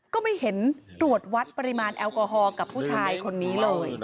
ก็ไม่เห็นตรวจวัดปริมาณแอลกอฮอล์กับผู้ชายคนนี้เลย